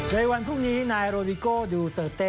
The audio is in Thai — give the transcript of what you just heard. ในวันพรุ่งนี้นายโรดิโก้ดูเตอร์เต้